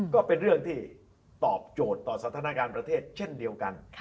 ก็เป็นเรื่องที่ตอบโจทย์ต่อสถานการณ์ประเทศเช่นเดียวกัน